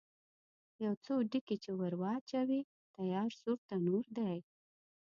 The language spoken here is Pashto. یو څو ډکي چې ور واچوې، تیار سور تنور دی.